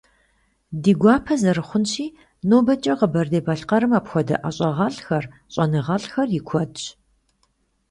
Ди гуапэ зэрыхъунщи, нобэкӀэ Къэбэрдей-Балъкъэрым апхуэдэ ӀэщӀагъэлӀхэр, щӀэныгъэлӀхэр и куэдщ.